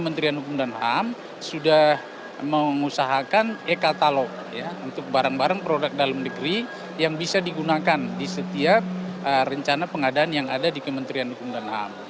kementerian hukum dan ham sudah mengusahakan e katalog untuk barang barang produk dalam negeri yang bisa digunakan di setiap rencana pengadaan yang ada di kementerian hukum dan ham